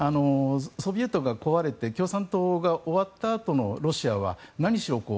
ソビエトが壊れて共産党が終わったあとのロシアは何しろ